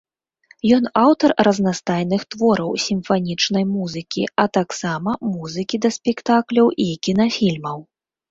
Ён аўтар разнастайных твораў сімфанічнай музыкі, а таксама музыкі да спектакляў і кінафільмаў.